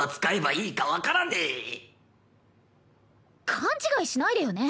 勘違いしないでよね！